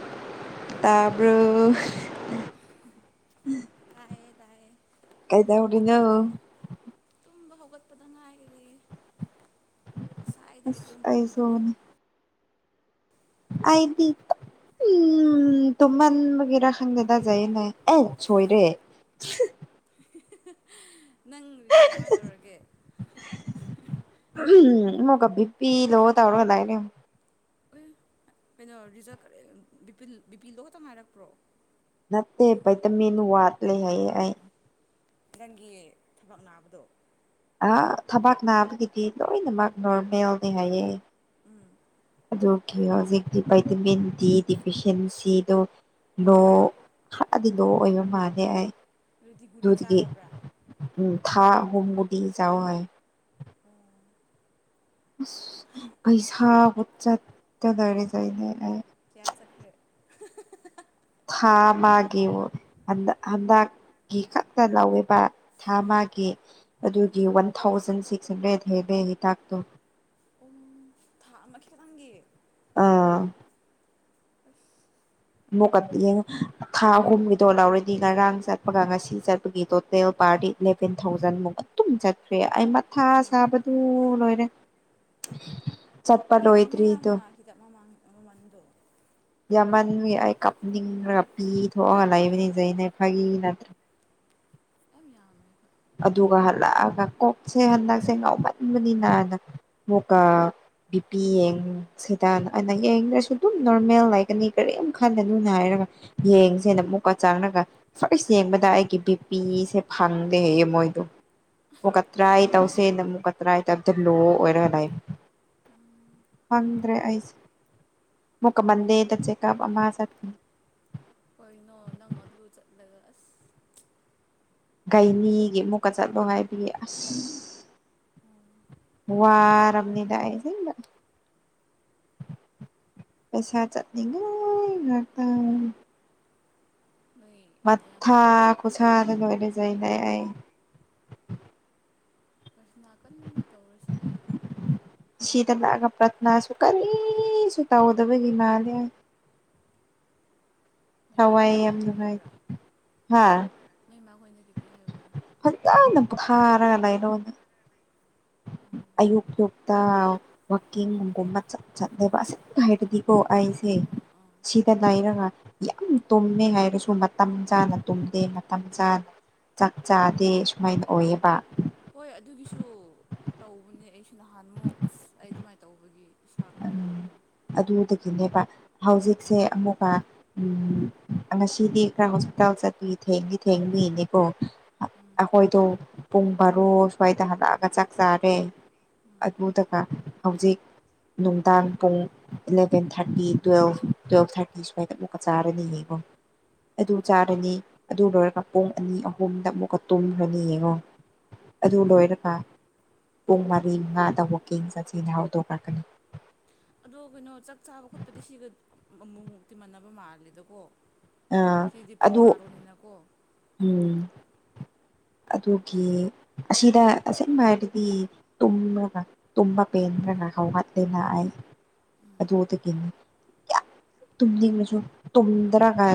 ꯑꯣ ꯀꯩꯗꯧꯕ꯭ꯔꯣ ꯇꯥꯕ꯭ꯔꯣ ꯇꯥꯏꯌꯦ ꯇꯥꯏꯌꯦ꯫ ꯀꯩꯗꯧꯔꯤꯅꯣ? ꯇꯨꯝꯕ ꯍꯧꯒꯠꯄꯗ ꯉꯥꯏꯔꯤ ꯉꯁꯥꯏꯗꯒꯤ ꯑꯁ ꯇꯨꯝꯕꯅꯦ꯫ ꯑꯩꯁꯨꯅꯦ ꯑꯩꯗꯤ ꯎꯝ ꯇꯨꯝꯃꯟꯕꯒꯤꯔꯥ ꯍꯪꯗꯦꯒ ꯖꯥꯏꯌꯦꯅ ꯑꯦ ꯁꯣꯏꯔꯦ꯫ ꯅꯪꯗ ꯀꯃꯥꯏꯅ ꯇꯧꯔꯒꯦ? ꯃꯒ ꯕꯤ ꯄꯤ ꯂ ꯇꯧꯅꯒ ꯂꯅꯦ ꯑꯦ ꯀꯩꯅꯣ ꯔꯤꯖꯜ ꯀꯔ ꯕꯤꯄꯤꯜ ꯕꯤꯄꯤꯜꯗꯣ ꯈꯛꯇꯪ ꯉꯥꯏꯔꯛꯄ꯭ꯔꯣ? ꯅꯠꯇ ꯄꯩ ꯇ ꯃꯦꯅꯨ ꯋꯥꯇ ꯂꯩ ꯍꯥꯏꯌꯦ ꯑꯩ꯫ ꯅꯪꯒꯤ ꯊꯕꯛ ꯅꯥꯕꯗꯣ꯫ ꯊꯕꯥꯛ ꯅꯥꯕꯒꯤꯗꯤ ꯂꯣꯏꯅꯃꯛ ꯅꯣꯔꯃꯦꯜꯅꯤ ꯍꯥꯏꯌꯦ꯫ ꯎꯝ ꯑꯗꯨ ꯀ ꯍꯧꯖꯤꯛꯇꯤ ꯚꯥꯏꯇꯃꯤꯟ ꯗꯤ ꯗꯤꯐꯁꯤꯦꯟꯁꯤꯗꯣ? ꯂꯣ ꯎꯝ ꯈꯔꯗꯤ ꯂꯣ ꯑꯣꯏꯕ ꯃꯥꯜꯂꯦ ꯑꯩ꯫ ꯑꯗꯨꯗꯤ ꯒꯨꯔꯤ ꯒꯤ ꯆꯥꯔꯕ꯭ꯔꯥ ꯎ ꯊꯥ ꯑꯍꯨꯝꯒꯨꯗꯤ ꯆꯋꯥ ꯍꯥꯏ꯫ ꯎꯝ ꯄꯩꯁꯥ ꯍꯧꯠ ꯆ ꯗꯥꯏꯔꯦ ꯆꯥꯏꯅꯦ꯫ ꯀꯌꯥ ꯆꯈ꯭ꯔꯦ? ꯊꯥ ꯑꯃꯒꯤ ꯍꯟꯗꯛꯀꯤ ꯀꯅ ꯂꯨꯄꯥ ꯎꯝ ꯊꯥꯃꯒꯤ ꯎꯝ ꯑꯗꯨꯒꯤ ꯋꯥꯟ ꯊꯥꯎꯖꯟ ꯁꯤꯛꯁ ꯍꯟꯗ꯭ꯔꯦꯗ ꯍ ꯂꯩ ꯍꯤꯗꯥꯛꯇꯣ꯫ ꯄꯨꯡ ꯊꯥ ꯑꯃ ꯈꯤꯇꯪꯒꯤ? ꯑꯥ꯫ ꯑꯃꯨꯛꯀꯉ ꯊꯥ ꯑꯍꯨꯝꯒꯤꯗꯣ ꯂꯧꯔꯗꯤ ꯉꯔꯥꯡ ꯆꯠꯄꯒ ꯉꯁꯤ ꯆꯠꯄꯒꯤ ꯇꯣꯇꯦꯜ ꯄꯥꯔꯗꯤ ꯏꯂꯚꯦꯟ ꯊꯥꯎꯖꯟꯃꯨꯛ ꯑꯗꯨꯝ ꯆꯠꯈ꯭ꯔꯦ ꯑꯩꯃꯠ ꯊꯥ ꯎꯝ ꯁꯥꯕꯗꯨ ꯂꯣꯏꯔꯦ꯫ ꯆꯠꯄ ꯌꯥꯝꯃꯤ ꯂꯣꯏꯗ꯭ꯔꯤꯗꯣ ꯌꯥꯝꯅ ꯍꯤꯗꯥꯛ ꯃꯃꯥꯡ ꯃꯃꯟꯗꯣ ꯌꯥꯝꯃꯟꯦ ꯑꯩ ꯀꯥꯞꯅꯤꯡꯈ꯭ꯔꯒ ꯄꯤ ꯊꯣꯛꯑꯒ ꯂꯩꯕꯅꯤꯁꯦꯅꯦ ꯐꯥꯒꯤ ꯅꯠꯇ꯭ꯔ ꯌꯥꯃꯤ [unintelligible] ꯑꯗꯨꯒ ꯍꯜꯂꯛꯑꯒ ꯀꯣꯛꯁꯦ ꯍꯟꯗꯛꯁꯦ ꯉꯥꯎꯃꯟꯕꯅꯤꯅꯅ ꯑꯃꯨꯛꯀ ꯕꯤ ꯄꯤ ꯌꯦꯡ ꯁꯤꯗ ꯑꯅ ꯌꯦꯡꯗ꯭ꯔꯁꯨ ꯑꯗꯨꯝ ꯅꯣꯔꯃꯦꯜ ꯂꯩꯒꯅꯤ ꯀꯔꯤꯝ ꯈꯟꯒꯅꯨꯅ ꯍꯥꯏꯔꯒ ꯌꯦꯡꯁꯦꯅ ꯑꯃꯨꯛꯀ ꯆꯪꯉꯒ ꯐꯥꯔꯁ ꯌꯦꯡꯕꯗ ꯑꯩꯒꯤ ꯕꯤꯄꯤꯁꯦ ꯐꯪ ꯍꯌꯦ [unintelligible] ꯃꯣꯏꯗꯨ ꯑꯃꯨꯛꯀ ꯇ꯭ꯔꯥꯏ ꯇꯧꯁꯦꯅ ꯑꯃꯨꯛꯀ ꯇ꯭ꯔꯥꯏ ꯇꯧꯕꯗ ꯂꯣ ꯑꯣꯏꯔꯒ ꯂꯩꯕꯅ‌ꯦ ꯍꯪꯗ꯭ꯔꯦ ꯑꯩꯁ ꯃꯛꯃꯗꯦꯗ ꯆꯦ ꯀꯞ ꯑꯃ ꯆꯠ ꯀꯩꯅꫭ ꯅꯪ ꯑꯗꯨ ꯆꯠꯂꯒ ꯑꯁ ꯒꯥꯏꯅꯤꯒꯤ ꯃꯨꯛꯀ ꯆꯠꯂꯣ ꯍꯥꯏꯕꯤꯌꯦ ꯑꯁ ꯎꯝ ꯋꯥꯔꯕꯅꯤꯗꯥ ꯑꯩ ꯑꯁ‌ꯦꯡꯕ ꯄꯩꯁꯥ ꯆꯠꯅꯤꯡꯉꯥꯏ ꯉꯥꯛꯇ ꯅꯣꯏ ꯅꯌꯥꯝꯕꯗꯣ ꯃꯊꯥ ꯀꯣꯏꯕ ꯆꯠꯄ꯭ꯔꯥ ꯈꯨꯁꯥꯗ [unintelligible] ꯂꯣꯏꯅꯖꯩꯅꯩ ꯑꯩ ꯅꯥ ꯀꯟꯅ [unintelligible] ꯇꯧꯔꯁꯤ ꯁꯤꯗ ꯂꯥꯛꯑꯒ ꯄ꯭ꯔꯠꯅꯥꯁꯨ ꯀꯔꯤꯁꯨ ꯇꯧꯗꯕꯒꯤ ꯃꯥꯜꯂꯦ ꯅꯣꯏ ꯊꯥꯎꯏ ꯃꯥꯈꯣꯏꯅ ꯌꯥꯝ ꯀꯩꯀꯩ ꯅꯨꯉꯥꯏ ꯍꯥꯏꯕ꯭ꯔꯥ ꯍꯥꯥ ꯅꯣꯏ ꯏꯃꯥ ꯈꯣꯏꯅꯈꯤꯀꯦ ꯍꯥꯏꯕ꯭ꯔꯥ ꯐꯖꯅ ꯄꯨꯊꯔꯒ ꯂꯩꯥꯔꫭꯅ ꯑꯌꯨꯛ ꯌꯨꯛꯇ ꯋꯥꯀꯤꯡꯒꯨꯝꯕ ꯆ [unintelligible] ꯆꯠꯦꯕꯁ ꯍꯥꯏꯗꯤ ꯀꯣ ꯑꯩꯁꯦ ꯑꯥ ꯑꯥ ꯁꯤꯗ ꯂꯩꯏꯔꯒ ꯌꯥꯝ ꯇꯨꯝꯃꯦ ꯍꯥꯏꯔꯁꯨ ꯃꯇꯝ ꯆꯥꯅ ꯇꯨꯝꯗꯦ ꯃꯇꯝ ꯆꯥꯅ ꯆꯥꯛ ꯆꯥꯗꯦ ꯁꯨꯃꯥꯏꯅ ꯑꯣꯏꯌꯦꯕ ꯍꯣꯏ ꯑꯗꯨꯒꯤꯁꯨ ꯇꯧꯕꯅꯦ ꯑꯩꯁꯨ ꯅꯍꯥꯟꯃꯨꯛ ꯑꯁ ꯑꯩ ꯑꯗꯨꯃꯥꯏꯅ ꯇꯧꯕꯒꯤ ꯄꯩꯁꯥ ꯀꯩꯅꫭꯝ ꯎꯝ ꯇꯧꯕꯅꯤ ꯑꯗꯨꯗꯒꯤꯅꯦꯕ ꯍꯧꯖꯤꯛꯁꯦ ꯑꯃꯨꯛꯀ ꯎꯝ ꯉꯁꯤꯗꯤ ꯈꯔ ꯍꯣꯁꯄꯤꯇꯥꯜ ꯆꯠꯄꯤ ꯊꯦꯡꯗꯤ ꯊꯦꯡꯅꯤꯅꯦꯀꯣ ꯎꯝ ꯑꯩꯈꯣꯏꯗꯣ ꯄꯨꯡ ꯕꯥꯔꯣ ꯁ꯭ꯋꯥꯏꯗ ꯍꯜꯂꯛꯑꯒ ꯆꯥꯛ ꯆꯥꯔꯦ ꯎꯝ ꯑꯗꯨꯗꯒ ꯍꯧꯖꯤꯛ ꯅꯨꯡꯗꯥꯡ ꯄꯨꯡ eleven thirty twelve twelve thirty ꯁꯨꯋꯥ꯭ꯗ ꯑꯃꯨꯛꯀ ꯆꯥꯔꯗꯤ ꯌ‌ꯦꯡꯉꫭ ꯑꯗꯨ ꯆꯥꯔꯅꯤ ꯑꯗꯨ ꯂꯣꯏꯔꯒ ꯄꯨꯡ ꯑꯅꯤ ꯑꯍꯨꯝꯗ ꯑꯃꯨꯛꯀ ꯇꯨꯝꯈ꯭ꯔꯅꯤ ꯌꯦꯡꯉꯣ ꯑꯗꯨ ꯂꯣꯏꯔꯒ ꯄꯨꯡ ꯃꯔꯤ ꯃꯉꯥꯗ ꯋꯀꯤꯡ ꯆꯠꯁꯤꯅ ꯍꯧꯗꯣꯛꯂꯛꯀꯅꯤ ꯑꯗꯣ ꯀꯩꯅꯣ ꯆꯥꯛ ꯆꯥꯕ ꯈꯣꯠꯄꯗꯤ ꯁꯤꯒ ꯑꯃꯨꯛꯃꯨꯛꯇꯤ ꯃꯥꯟꯕ ꯃꯥꯜꯂꯦꯗꯀꯣ ꯀꯤꯗꯤ ꯄꯨꯡ ꯑꯗꯨ ꯕꯥꯔꯣꯅꯤꯅ ꯀꯣ ꯎꯝ ꯑꯗꯨꯒꯤ ꯑꯁꯤꯗ ꯑꯁꯦꯡꯕ ꯍꯥꯏꯔꯗꯤ ꯇꯨꯝꯂꯒ ꯇꯨꯝꯕ ꯄꯦꯟꯗ꯭ꯔꯒ ꯍꯧꯒꯠꯂ‌ꯦꯅ ꯑꯩ ꯑꯗꯨꯗꯒꯤ ꯌꯥꯝ ꯇꯨꯝꯅꯤꯡꯕꯁꯨ ꯇꯨꯝꯗ꯭ꯔꯒ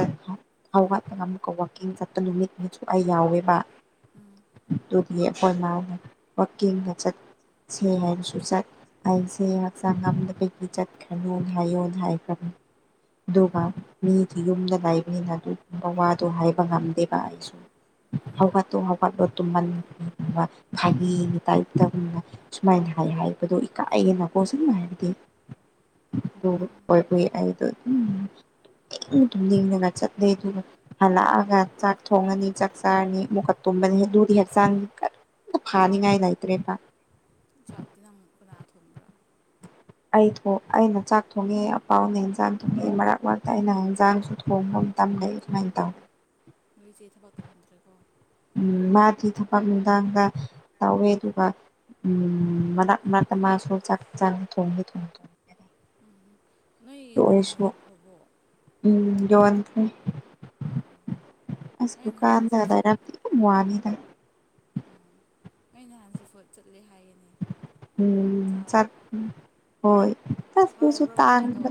ꯍꯧꯒꯠꯂꯒ ꯑꯃꯨꯛꯀ ꯋꯥꯋꯥꯛꯀꯤꯡ ꯆꯠ ꯅꯨꯃꯤꯠ ꯃꯁꯨ ꯑꯩ ꯌꯥꯎꯋꯦꯕ ꯎꯝ ꯑꯗꯨꯗꯤ ꯑꯩꯈꯣꯏ ꯃꯥꯅ ꯋꯀꯤꯡꯒ ꯆꯠꯁꯦ ꯍꯥꯏꯔꯁꯨ ꯆꯠ ꯑꯩꯁꯦ ꯍꯛꯆꯥꯡ ꯉꯝꯗꯕꯒꯤ ꯆꯠꯈ꯭ꯔꯅꯨ ꯍꯥꯏꯌꯣ ꯍꯥꯏꯈ꯭ꯔꯅꯤ ꯑꯗꯨꯒ ꯃꯤꯗꯤ ꯌꯨꯝꯗ ꯂꯩꯕꯅꯤꯅ ꯑꯗꯨꯒꯨꯝꯕ ꯋꯥꯗꯣ ꯍꯥꯏꯕ ꯉꯝ ꯗ‌ꯦꯕꯥ ꯑꯩꯏꯁꯨ ꯍꯧꯒꯠꯇꯣ ꯍꯧꯕ ꯇ [unintelligible] ꯐꯒꯤ ꯏ ꯇ ꯇꯅ ꯁꯨꯃꯥꯏꯅ ꯍꯥꯏ ꯍꯥꯏꯕꯗꯣ ꯏꯀꯥꯏꯅꯀꯣ ꯁꯤ [unintelligible] ꯍꯥꯏꯔꯗꯤ ꯑꯗꯨ ꯑꫭꯏꯕꯒꯤ ꯑꯩꯗꯨ ꯑꯗꯨꯝ ꯏ ꯇ ꯏ [unintelligible] ꯉ ꯆ ꯂꯩꯗꯨ ꯐꯜꯂꯒ ꯆꯥꯛ ꯊꯣꯡꯉꯅꯤ ꯆꯥꯛ ꯆꯥꯔꯅꯤ ꯃꯨꯀꯠ ꯇꯨꯝꯕꯅꯤ ꯑꯗꯨꯗꯤ ꯍꯛꯆꯥꯡ ꯐꯅꯤꯉꯥꯏ ꯂꯩꯏꯇꯔ‌ꯦꯕꯥ ꯆꯥꯛꯇꯤ ꯑꯃꯨꯛ ꯀꯟꯅꯅꯥ ꯊꯣꯡꯕ꯭ꯔꯥ ꯑꯩꯊꯣ ꯑꯩꯅ ꯆꯥꯛ ꯊꯣꯡꯉꯦ ꯑꯄꯥꯥꯎꯅ ꯏꯟꯖꯥꯡ ꯊꯣꯡꯉꯦ ꯃꯔꯛ ꯃꯔꯛꯇ ꯑꯩꯅ ꯍꯦꯟꯖꯥꯡꯁꯨ ꯊꯣꯡꯕꯝ ꯇꯝ ꯂꯩꯩ ꯀꯃꯥꯏ ꯇꯧ ꯅꯣꯏ ꯆꯦ ꯊꯕꯛ ꯇꯧꯗ꯭ꯔꯦꯀꯣ ꯎꯝ ꯃꯥꯗꯤ ꯊꯕꯛ ꯏꯒꯥꯡꯒ ꯇꯧꯋꯦ ꯑꯗꯨꯒ ꯎꯝ ꯃꯔꯛ ꯃꯔꯛꯇ ꯃꯥꯁꯨꯨ ꯆꯥꯡ ꯏꯖꯥꯡ ꯊꯣꯉꯦ ꯊꯣꯡ ꯊꯣꯡꯉꯦ ꯎꯝ ꯅꯣꯏ ꯑꯗꯨ ꯗꯨꯀꯥꯟ ꯑꯣꯏꯔꯁꯨ ꯌꯣꯟꯈ꯭ꯔꯕꯣ ꯎꯝ ꯌꯣꯟꯈꯔꯦ ꯑꯣ ꯑꯁ ꯅꯣꯏ ꯅꯍꯥꯟ ꯗꯨꯀꯥꯟꯗ ꯁꯤ ꯐꯨꯗ ꯂꯩꯔꯝ ꯎꯝꯋꯥꯅꯤꯗ ꯑꯩ ꯅꯍꯜ ꯖꯤꯐꯣꯠ ꯆꯠꯂꯦ ꯍꯥꯏꯌꯦ ꯎꯝ ꯆꯠ ꯎꯝ ꯍꯣꯏ ꯑꯁꯇꯨꯁꯨ ꯍꯥꯎꯕ꯭ꯔꯥ ꯃꯣꯏꯒꯤꯗꯣ ꯇꯥꯟꯕ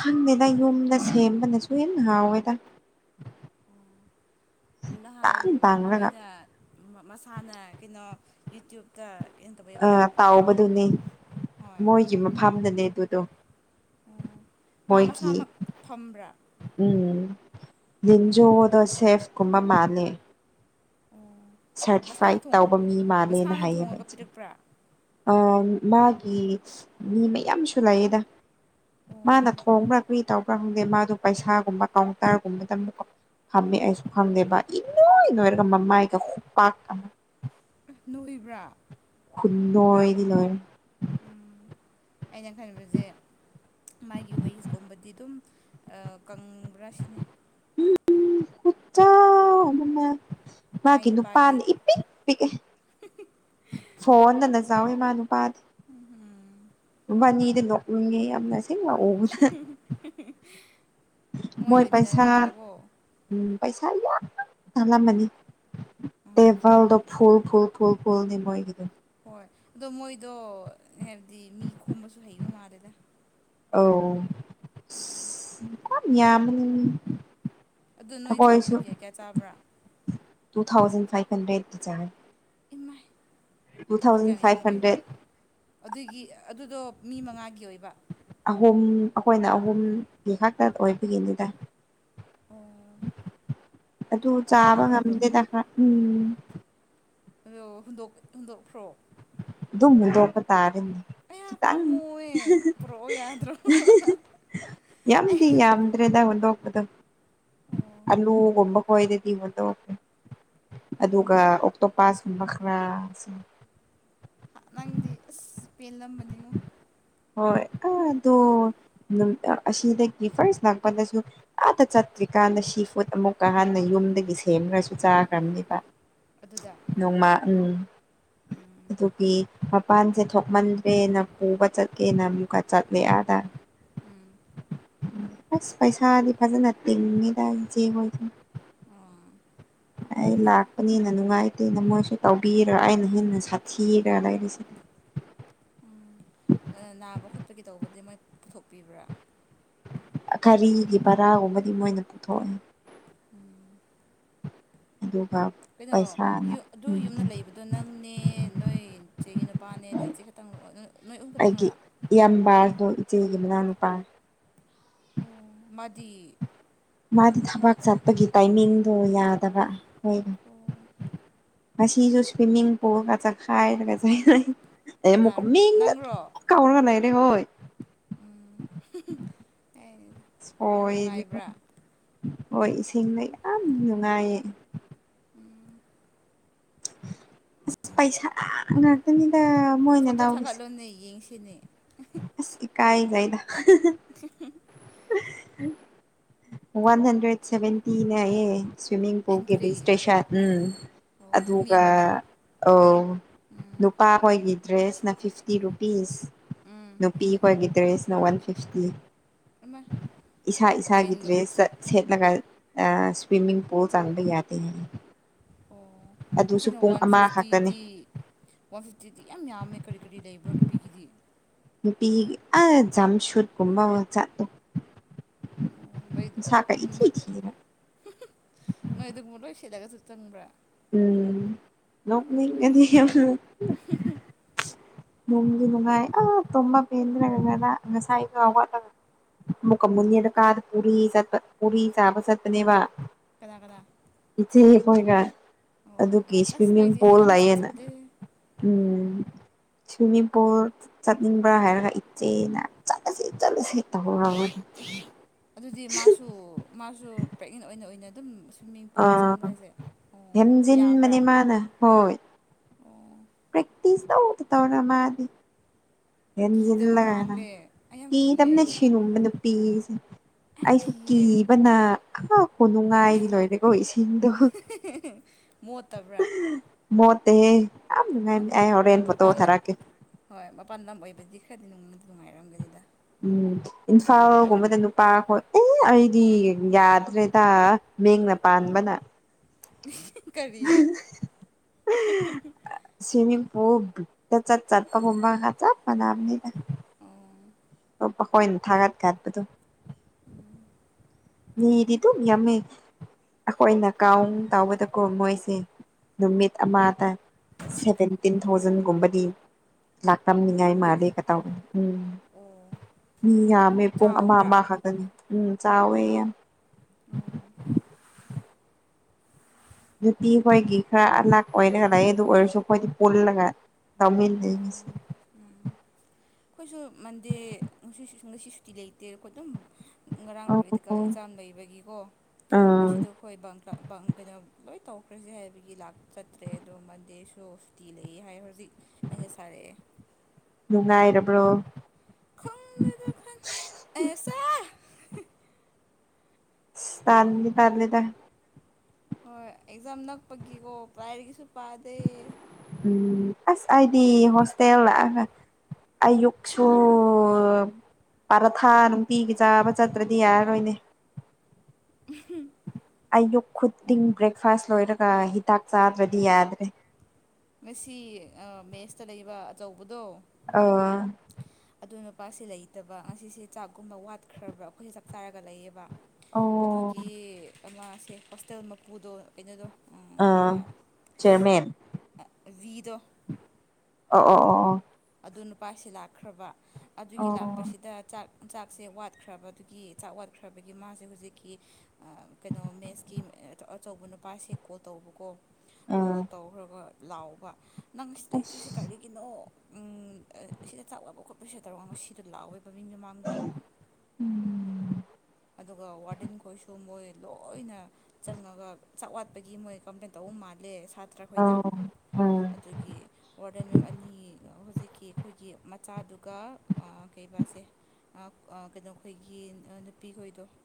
ꯍꯪꯗꯦꯗ ꯌꯨꯝꯗ ꯁꯦꯝꯕꯅꯁꯨ ꯍꯦꯟꯅ ꯍꯥꯎꯋꯦꯗ ꯅꯍꯥꯟ ꯇꯥꯡ ꯇꯥꯡꯔꯒ ꯃꯣꯏꯅ ꯃꯃꯁꯥꯅ ꯀꯩꯅꯣ ꯌꯨꯠꯇꯨꯞꯇ ꯀꯩꯅꯣ ꯇꯧꯋꯦꯕ ꯑ ꯍꯣꯏ ꯒꯤ ꯃꯐꯝꯗꯅꯦ ꯑꯗꯨꯗꯣ ꯑꯣ ꯃꯥ ꯃꯣꯏꯒꯤ ꯃꯁꯥꯃꯛ ꯐꯝꯕ꯭ꯔꯥ ꯎꯝ ꯑꯣ ꯂꯤꯟꯖꯣꯗꯣ ꯁꯦꯐ ꯀꯨꯝꯕ ꯃꯥꯟꯂꯦ ꯑꯣ ꯃꯁꯥꯅ ꯁꯔꯇꯤꯐꯥꯏꯠ ꯊꯣꯡ ꯇꯧꯕ ꯃꯤ ꯃꯥꯜꯂꯦꯅ ꯃꯁꯥꯅ ꯍꯥꯏꯌꯦꯕ ꯊꯣꯡꯉꯒ ꯑꯩꯁꯦ ꯄꯤꯔꯛꯄ꯭ꯔꯥ ꯑ ꯃꯥꯒꯤ ꯃꯤ ꯃꯌꯥꯝꯁꯨ ꯂꯩꯌꯦꯗ ꯃꯥꯅ ꯑꯣ ꯊꯣꯡꯕ꯭ꯔ ꯀꫪꯤ ꯇꯧꯕ꯭ꯔꯥ ꯈꯪꯗꯦ ꯃꯥꯗꯣ ꯄꯩꯁꯥꯒꯨꯝꯕ ꯀꯥꯎꯟꯇꯔꯒꯨꯝꯕꯗ ꯑꯃꯨꯛꯀ ꯐꯝꯃꯦ ꯑꯩꯁꯨ ꯈꯪꯗꯦꯕ ꯏꯅꯣꯏ ꯂꯣꯏꯔꯒ ꯃꯃꯥꯏꯒ ꯈꯨꯄꯥꯛ ꯑꯃ ꯎꯝ ꯅꯣꯏꯕ꯭ꯔꯥ ꯈꯨꯨꯟꯑꯣꯏꯗꯤ ꯂꯣꯏꯔꯦ ꯎꯝ ꯑꯩꯅ ꯈꯟꯕꯖꯦ ꯃꯥꯒꯤ ꯋꯦꯁꯀꯨꯝꯕꯗꯤ ꯑꯗꯨꯝ ꯀꯪꯕ꯭ꯔꯥ ꯁꯤꯅꯤ ꯈꯨꯠꯆꯥꯎ ꯑꯃ ꯃꯥꯏ ꯃꯥꯒꯤ ꯅꯨꯄꯥꯥꯅ ꯅꯨꯄꯥꯗꯤ ꯏ ꯄꯤꯛ ꯄꯤꯛꯑꯦ ꯐꯣꯟꯗꯅ ꯆꯥꯎꯋ ꯃꯥ ꯅꯨꯄꯥꯗꯤ ꯕꯥꯅꯤꯗꯤ ꯂꯣꯛꯅꯤꯡꯉꯦ ꯌꯥꯝꯅ ꯁꯤ [unintelligible] [unintelligible] ꯃꯣꯏ ꯂꯩꯃꯤꯟꯅꯕ ꯄꯩꯁꯥ ꯃꯥꯜꯂꯦꯀꯣ ꯎꯝ ꯄꯩꯁꯥ ꯌꯥꯝ ꯇꯥꯟꯂꯝꯃꯅꯤ ꯎꯝ ꯇꯦꯚꯜꯗ ꯐꯨꯜ ꯐꯨꯜ ꯐꯨꯜ ꯐꯨꯜ ꯅꯦ ꯃꯣꯏꯒꯤꯗ ꯍꯣꯏ ꯑꯗꯣ ꯃꯣꯏꯗꯣ ꯍꯥꯏꯕꯗꯤ ꯃꯤ ꯈꯣꯝꯕꯁꯨ ꯍꯩꯕ ꯃꯥꯜꯂꯦꯗ ꯑꯧ ꯏꯁ ꯌꯥꯝ ꯌꯥꯝꯅꯤꯅꯦ ꯑꯗꯨ ꯅꯣꯏ ꯆꯥꯕꯗ ꯀꯌꯥ ꯀꯌꯥ ꯆꯥꯕ꯭ꯔꯥ ꯇꯨ ꯊꯥꯎꯖꯟ ꯐꯥꯏꯚ ꯍꯟꯗ꯭ꯔꯦꯠꯒꯤ ꯆꯔꯦ ꯏꯃꯥꯏ ꯑꯗꯨ ꯀꯌꯥꯝ ꯐꯥꯏꯚ ꯌꯥꯝꯒꯦ ꯍꯟꯗ꯭ꯔꯦꯠ ꯑꯗꯨꯒꯤ ꯑꯗꯨꯗꯣ ꯃꯤ ꯃꯉꯥꯒꯤ ꯑꯣꯏꯕ ꯑꯍꯨꯝ ꯑꯩꯈꯣꯏꯅ ꯑꯍꯨꯝꯒꯤ ꯈꯥꯛꯇ ꯑꯣꯏꯕꯒꯤꯅꯤꯗ ꯑꯣ ꯑꯗꯨ ꯆꯥꯕ ꯌꯥꯝꯕ꯭ꯔꯥꯗꯣ ꯉꯝꯗꯦꯗ ꯈꯔ ꯎꯝ ꯑꯩꯌꯣ ꯍꯨꯟꯗꯣꯛ ꯍꯨꯟꯗꯣꯛꯈ꯭ꯔꯣ ꯑꯗꯨꯝ ꯍꯨꯟꯗꯣꯄ ꯇꯥꯔꯅꯤ ꯑꯌꯥ ꯈꯤꯇꯪ ꯄꯥꯝꯃꯨꯋꯦ ꯄꯨꯔꯛꯑꯣ ꯌꯥꯗ꯭ꯔꯣ ꯑꯩ ꯌꯥꯝꯗꯤ ꯌꯥꯝ ꯗ꯭ꯔꯦꯗ ꯍꯨꯟꯗꯣꯛꯄꯗꯣ ꯑꯣ ꯑꯂꯨ ꯒꯨꯝꯕ ꯈꯣꯏꯗꯤ ꯏꯕꯗꯣ ꯎꯝ ꯑꯗꯨꯒ ꯑꯣꯛꯇꯣꯄꯥꯥꯁꯀꯨꯝꯕ ꯈꯔ ꯅꯪꯗꯤ ꯑꯁ ꯄꯦꯜꯂꯝꯃꯕꯅꯤꯉꯣ ꯍꯣꯏ ꯑꯗꯣ ꯑꯁꯤꯗꯒꯤ ꯐꯥꯔꯥꯁ ꯂꯥꯛꯄꯟꯗꯁꯨ ꯑꯥꯗ ꯆꯠꯇ꯭ꯔꯤꯀꯥꯟꯗ ꯁꯤ ꯐꯨꯗ ꯑꯃꯨꯛꯀ ꯍꯥꯟꯅ ꯌꯨꯝꯗꯒꯤ ꯁꯦꯝꯔꯁꯨ ꯆꯥꯈ꯭ꯔꯅꯤꯕ ꯑꯗꯨꯗ ꯅꯣꯡꯃ ꯎꯝ ꯎꯝ ꯑꯗꯨꯒꯤ ꯃꯄꯥꯟꯁꯦ ꯊꯣꯛꯃꯟ ꯑꯦꯅ ꯄꯨꯕ ꯆꯠꯀꯦꯅ ꯑꯃꯨꯛꯀ ꯆꯠꯂꯦ ꯑꯥꯗ ꯎꯝ ꯑꯁ ꯄꯩꯁꯥꯗꯤ ꯐꯖꯅ ꯇꯤꯡꯉꯤꯗꯥ ꯏꯆꯦ ꯍꯣꯏꯁꯦ ꯑꯣ ꯑꯩ ꯂꯥꯛꯄꯅꯤꯅ ꯅꯨꯡꯉꯥꯏꯇꯦꯅ ꯃꯣꯏꯁꯨ ꯇꯧꯕꯤꯔꯥ ꯑꯩꯅ ꯍꯦꯟꯅ ꯁꯥꯊꯤꯔꯥ ꯂꯩꯔꯤꯁꯦ ꯑꯥ ꯅꯥꯕ ꯈꯣꯠꯄꯒꯤ ꯇꯧꯕꯗꯤ ꯃꯣꯏ ꯄꯨꯊꯣꯛꯄꯤꯕ꯭ꯔꯥ ꯒꯥꯔꯤꯒꯤ ꯕꯔꯥꯒꯨꯝꯕꯗꯤ ꯃꯣꯏꯅ ꯄꯨꯊꯣꯛꯑꯦ ꯎꯝ ꯑꯗꯨ ꯀꯩꯅꯣ ꯑꯗꯨ ꯌꯨꯝꯗ ꯂꯩꯕꯗꯣ ꯅꯪꯅꯦ ꯅꯣꯏ ꯏꯆꯦꯒꯤ ꯅꯨꯄꯥꯅꯦ ꯅꯣꯏ ꯏꯆꯦ ꯇꯪ ꯅꯣꯏ ꯑꯍꯨꯝ ꯈꯛꯇꯪꯔꯥ ꯏꯌꯥꯝꯕꯥꯁꯨ ꯏꯆꯦꯒꯤ ꯃꯅꯥꯎꯅꯨꯄꯥ ꯃꯥꯗꯤ ꯃꯥꯗꯤ ꯊꯕꯥꯛ ꯆꯠꯄꯒꯤ ꯇꯥꯏꯃꯤꯡꯗꯣ ꯌꯥꯗꯕ ꯍꯣꯏꯅꯦ ꯉꯁꯤꯁꯨ ꯁꯨꯏꯃꯤꯡ ꯄꯨꯜꯒ ꯆꯠꯈꯥꯏꯗꯅ [unintelligible] ꯑꯦ ꯃꯨꯛꯀꯥ ꯀꯅꯥꯔꯣ ꯃꯤꯡꯒꯥ ꯅꯪꯔꯣ ꯀꯥꯎꯔꯥ ꯂꯩꯔꯦ ꯍꯣꯏ ꯎꯝ [unintelligible] ꯏꯁ ꯑꯣꯏꯗꯤꯕ ꯅꯨꯡꯉꯥꯏꯕ꯭ꯔꯥ ꯍꯣꯏ ꯏꯁꯤꯡꯅ ꯌꯥꯝ ꯅꯨꯡꯉꯥꯏꯌꯦ ꯑꯁ ꯄꯩꯁꯥ ꯉꯥꯛꯇꯅꯤꯗꯥ ꯃꯣꯏꯅ ꯐꯣꯇꯣ ꯂꯧꯔꯤꯁꯦ [inaudible] [unintelligible] ꯑꯁ ꯏꯀꯥꯏꯖꯩꯗ [inaudible] ꯋꯥꯟ ꯍꯟꯗ꯭ꯔꯦꯠ ꯁꯚꯦꯟꯇꯤꯅꯦ ꯍꯥꯏꯌꯦ ꯁꯨꯏꯃꯤꯡ ꯄꯨꯜꯒꯤ ꯑꯦꯟꯇ꯭ꯔꯤ ꯕꯤꯖꯤꯇꯦꯁ ꯎꯝ ꯃꯤ ꯑꯗꯨꯒ ꯑꯃꯗ ꯑꯧ ꯎꯝ ꯅꯨꯄꯥ ꯍꯣꯏꯒꯤ ꯗ꯭ꯔꯦꯁꯅ ꯐꯤꯐꯇꯤ ꯔꯨꯄꯤꯁ ꯎꯝ ꯅꯨꯄꯤ ꯑꯩꯈꯣꯏꯒꯤ ꯗ꯭ꯔꯦꯁꯅ ꯋꯥꯟ ꯐꯤꯁꯇꯤ ꯑꯃ ꯏꯁꯥ ꯏꯁꯥꯒꯤ ꯀꯩꯅꯣ ꯗ꯭ꯔꯦꯁ ꯆꯠ ꯁꯦꯠꯂꯒ ꯑꯥ ꯁꯨꯏꯋꯤꯃꯤꯡ ꯄꯨꯜ ꯆꯪꯕ ꯌꯥꯗꯦ ꯑꯣ ꯑꯗꯨꯁꯨ ꯀꯩꯅꯣ ꯄꯨꯡ ꯋꯥꯟ ꯑꯃꯈꯛꯇꯅꯦ ꯐꯤꯐꯇꯤꯗꯤ ꯋꯥꯟ ꯐꯤꯞꯇꯤꯗꯤ ꯌꯥꯝ ꯌꯥꯝꯃꯦ ꯀꯔꯤ ꯀꯔꯤ ꯂꯩꯕ꯭ꯔꯣ ꯅꯨꯄꯤꯒꯤꯗꯤ ꯅꯨꯄꯤ ꯑ ꯖꯝꯁꯨꯠ ꯀꯨꯝꯕ ꯋꯥ ꯆꯥꯠꯇꯣ ꯅꯣꯏ ꯑꯥ ꯑꯗꯨꯝ ꯃꯣꯏ ꯅꯣꯏ ꯑꯗꯨꯒꯨꯝꯕ ꯂꯣꯏ ꯁꯦꯠꯂꯒꯁꯨ ꯆꯪꯕ꯭ꯔꯥ ꯎꯝ ꯅꯣꯛꯅꯤꯡꯒꯅꯤꯍꯦ [unintelligible] [unintelligible] ꯅꯨꯡꯗꯤ ꯅꯨꯡꯉꯥꯏ ꯑꯥ ꯇꯨꯝꯕ ꯄꯦꯟꯗ꯭ꯔꯦ ꯉꯔꯥꯡ ꯉꯁꯥꯏꯒ ꯍꯧꯒꯠꯂꯒ ꯃꯨꯀ ꯃꯟꯅꯦꯗ ꯀꯥꯗ ꯄꯨꯔꯤ ꯆꯠꯄ ꯄꯨꯔꯤ ꯆꯥꯕ ꯆꯠꯄꯅꯦꯕ ꯀꯅꯥ ꯀꯅꯥꯥ ꯏꯆꯦ ꯑꯩꯈꯣꯏꯒ ꯑꯗꯨꯒꯤ ꯑꯁ ꯁꯨꯏꯋꯤꯃꯤꯡ ꯅꯣꯏꯗꯤ ꯁꯤ ꯄꯨꯜ ꯌꯥꯝ ꯆꯠ ꯂꯩꯌꯦꯅ ꯆꯠꯂꯦ ꯎꯝ ꯁꯨꯏꯋꯤꯃꯤꯡ ꯄꯨꯜ ꯆꯠꯅꯤꯡꯕ꯭ꯔꯥ ꯍꯥꯏꯔꯒ ꯏꯆꯦꯅ ꯆꯠꯂꯁꯤ ꯆꯠꯂꯁꯤ ꯇꯧꯔꯕꯩ ꯑꯦ ꯑꯗꯨꯗꯤ ꯃꯥꯁꯨ ꯃꯥꯁꯨ ꯄ꯭ꯔꯦꯛꯅꯦꯟ ꯑꯣꯏꯅ ꯑꯣꯏꯅ ꯑꯗꯨꯝ ꯁ꯭ꯋꯤꯝꯃꯤꯡ ꯄꯣꯜꯗ ꯑꯥ ꯆꯪꯕ꯭ꯔꯥ ꯍꯥꯏꯁꯦ ꯑꯣ ꯌꯥꯕ꯭ꯔꯥ ꯍꯦꯝꯖꯤꯟꯕꯅꯦ ꯃꯥꯅ ꯍꯣꯏ ꯑꯣ ꯄ꯭ꯔꯦꯛꯇꯤꯁ ꯇꯧꯗ ꯇꯧꯔꯥ ꯃꯥꯗꯤ ꯀꯤꯗꯕ ꯍꯦꯟꯖꯤꯜꯂꯦ ꯃꯥꯜꯂꯦ ꯑꯩ ꯌꯥꯝ ꯀꯤꯌꯦ ꯀꯤꯗꯝꯅꯤ ꯑꯩꯗꯤ ꯁꯤꯒꯨꯝꯕ ꯅꯨꯄꯤꯁꯦ ꯌꯥꯝ ꯑꯩꯁꯨ ꯀꯤꯌꯦ ꯀꯤꯕꯅ ꯑꯥ ꯈꯨꯅꯨꯡꯉꯥꯏꯗꯤ ꯂꯣꯏꯔꯦꯀꯣ ꯏꯁꯤꯡꯗꯣ [unintelligible] ꯃꯣꯠꯇꯕ꯭ꯔꯥ ꯃꯣꯠꯇꯦꯍꯦ ꯌꯥꯝ ꯅꯩꯝꯅꯦ ꯑꯩ ꯍꯣꯔꯦꯟ ꯐꯣꯇꯣ ꯃꯄꯥꯟ ꯂꯝ ꯊꯥꯔꯛꯀꯦ ꯍꯣꯏ ꯃꯄꯥꯟ ꯂꯝ ꯑꯣꯏꯕꯗꯤ ꯈꯔꯗꯤ ꯅꯨꯡꯗꯤ ꯅꯨꯡꯉꯥꯏꯔꯝꯒꯅꯤꯗ ꯎꯝ ꯏꯝꯐꯥꯜꯒꯨꯝꯕꯗ ꯅꯨꯄꯥꯈꯣ ꯑꯦ ꯑꯩꯗꯤ ꯌꯥꯗ꯭ꯔꯦꯗ ꯃꯤꯡꯅ ꯄꯥꯟꯕꯅ [unintelligible] ꯀꯔꯤꯅꯣ [unintelligible] ꯁꯤꯃꯤꯡ ꯄꯨꯜ [unintelligible] ꯆꯠꯄ [unintelligible] ꯆꯞ ꯃꯅꯥꯕꯅꯤ ꯑꯣ ꯃꯈꯣꯏꯅ ꯊꯥꯒꯠ ꯈꯠꯄꯗꯨ ꯎꯝ ꯃꯤꯗꯤꯗꯨ ꯅꯃꯦ ꯌꯥꯃꯦ ꯑꯩꯈꯣꯏꯅ ꯀꯥꯎꯅ ꯇꯧꯕꯗꯀꯣ ꯃꯣꯏꯁꯦ ꯅꯨꯃꯤꯠ ꯑꯃꯗ ꯁꯦꯚꯦꯟꯇꯤꯟ ꯊꯥꯎꯖꯟꯒꯨꯝꯕꯗꯤ ꯂꯥꯛꯇꯝꯅꯤꯉꯥꯏ ꯐꯪꯒꯅꯤ ꯃꯥꯂꯦ ꯀꯇꯥꯎꯒ ꯎꯝ ꯑꯣ ꯃꯤ ꯌꯥꯝꯃꯦ ꯄꯨꯡ ꯑꯃ ꯆꯥꯎꯕ꯭ꯔꯥ ꯑꯃꯈꯛ ꯎꯝ ꯆꯥꯎꯑꯣ ꯌꯥꯝ ꯑꯣꯡ ꯅꯨꯇꯤ ꯑꯩꯈꯣꯏꯒꯤ ꯈꯔ ꯑꯂꯥꯛ ꯑꯣꯏꯔꯒ ꯂꯩꯦ ꯑꯗꯨ ꯑꯣꯏꯔꯁꯨ ꯑꯩꯈꯣꯏꯗꯤ ꯄꯨꯜꯂꯒ ꯇꯃꯤꯜ ꯂꯩꯁ ꯑꯣ ꯎꯝ ꯑꯩꯈꯣꯏꯁꯨ ꯃꯟꯗꯦ ꯉꯁꯤ ꯉꯁꯤ ꯁꯨꯇꯤ ꯂꯩꯇꯦꯣ ꯑꯗꯨꯝ ꯉꯔꯥꯡ ꯑꯣ ꯄ꯭ꯔꯦꯛꯇꯤꯀꯦꯜ ꯑꯣ ꯑꯦꯛꯖꯥꯝ ꯂꯩꯕꯒꯤꯀꯣ ꯑꯥ ꯉꯁꯤꯗ ꯍꯣꯏ ꯕꯕ ꯀꯩꯅꯣ ꯂꯣꯏ ꯇꯧꯈ꯭ꯔꯁꯦ ꯍꯥꯏꯕꯒꯤ ꯂꯥꯛꯆꯠꯇ꯭ꯔꯦ ꯑꯗꯣ ꯃꯟꯗꯦꯁꯨ ꯇ ꯇꯤ ꯂꯩ ꯍꯥꯏ ꯍꯧꯖꯤꯛ ꯑꯩꯁꯦꯁ ꯊꯥꯔꯛꯑꯦ ꯅꯨꯡꯉꯥꯏꯔꯕ꯭ꯔꯣ ꯈꯣꯡꯗꯗ ꯈꯥꯟ ꯑꯦꯁꯥ ꯇꯥꯟ ꯇꯂꯤꯗ ꯍꯣꯏ ꯑꯦꯛꯖꯥꯝ ꯅꯛꯄꯒꯤꯀꯣ ꯄꯥꯏꯔꯤꯛꯁꯨ ꯄꯥꯗꯦ ꯎꯝ ꯑꯁ ꯑꯩꯗꯤ ꯍꯣꯁꯇꯦꯜ ꯂꯥꯛꯑꯒ ꯑꯌꯨꯛꯁꯨ ꯄꯥꯔꯥꯊꯥ ꯅꯨꯡꯇꯤꯒꯤ ꯆꯥꯕ ꯆꯠꯇ꯭ꯔꯗꯤ ꯌꯥꯔꯔꯣꯏꯅꯦ ꯎꯍꯨꯃ ꯑꯌꯨꯛ ꯈꯨꯗꯤꯡ ꯕ꯭ꯔꯦꯛꯐꯥꯁ ꯂꯣꯏꯔꯒ ꯍꯤꯗꯥꯛ ꯆꯥꯗ꯭ꯔꯗꯤ ꯌꯥꯗ꯭ꯔꯦ ꯉꯁꯤ ꯑ ꯃꯦꯁꯇ ꯂꯩꯕ ꯑꯆꯧꯕꯗꯣ ꯑ ꯑꯗ ꯅꯨꯄꯥꯁꯦ ꯂꯩꯇꯕ ꯉꯁꯤꯁꯦ ꯆꯥꯛꯀꯨꯝꯕ ꯋꯥꯠꯈ꯭ꯔꯕ꯭ꯔꯥ ꯑꯩꯈꯣꯏꯁꯦ ꯆꯞ ꯆꯥꯔꯒ ꯂꯩꯌꯦꯕ ꯑꯣ ꯑꯗꯨꯒꯤ ꯃꯥꯁꯦ ꯍꯣꯁꯇꯦꯜ ꯃꯄꯨꯗꯣ ꯀꯩꯅꯣꯗꯣ ꯑꯪ ꯑꯥ ꯑꯩ ꯆꯤꯌꯔꯃꯦꯟ ꯕꯤꯗꯣ ꯑꯣ ꯑꯣ ꯑꯣ ꯑꯣ ꯑꯗꯨ ꯅꯨꯄꯥꯁꯦ ꯂꯥꯛꯈ꯭ꯔꯕ ꯑꯗꯨꯒꯤ ꯑꯣ ꯂꯥꯛ ꯑꯣ ꯑꯁꯤꯗ ꯆꯥꯛ ꯆꯥꯛꯁꯦ ꯋꯥꯠꯈ꯭ꯔꯕꯗꯨꯒꯤ ꯆꯥꯛ ꯋꯥꯘꯠꯈ꯭ꯔꯕꯒꯤ ꯃꯥꯁꯦ ꯍꯧꯖꯤꯛꯀꯤ ꯀꯩꯅꯣ ꯃꯦꯠꯁꯀꯤ ꯑꯆꯧ ꯑꯆꯧꯕ ꯅꯨꯄꯥꯁꯦ ꯀꯣ ꯇꯧꯕꯀꯣ ꯀꯣ ꯑꯥ ꯇꯧꯈ꯭ꯔꯒ ꯂꯥꯛꯕ ꯅꯪ ꯁꯤ ꯂꯩꯇ꯭ꯔꯤꯁꯦ ꯑꯁ ꯀꯔꯤꯒꯤꯅꯣ ꯎꯝ ꯁꯤꯗ ꯆꯥꯛ ꯋꯥꯠꯄ ꯈꯣꯠꯄꯁꯦ ꯇꯧꯔꯒ ꯃꯁꯤꯗ ꯂꯥꯛꯋꯦꯕꯥ ꯃꯤ ꯃꯃꯥꯡꯗ ꯎꯝ ꯑꯗꯨꯒ ꯋꯥꯔꯗꯦꯟ ꯈꯣꯏꯁꯨ ꯃꯣꯏ ꯂꯣꯏꯅ ꯆꯪꯉꯒ ꯆꯥꯛ ꯋꯥꯠꯄꯒꯤ ꯃꯣꯏ ꯀꯝꯄ꯭ꯂꯦꯟ ꯇꯧꯕ ꯃꯥꯜꯂꯦ ꯁꯥꯇ꯭ꯔꯈꯣꯏꯅ ꯑ ꯎꯝ ꯑꯗꯨꯒꯤ ꯋꯥꯔꯗꯟ ꯃꯦꯝ ꯑꯅꯤ ꯍꯧꯖꯤꯛꯀꯤ ꯑꯩꯈꯣꯏꯒꯤ ꯃꯆꯥꯗꯨꯒ ꯀꯩꯕꯥꯁꯦ ꯑꯩ ꯑ ꯀꯩꯅꯣꯈꯣꯏꯒꯤ ꯅꯨꯄꯤꯈꯣꯏꯗꯣ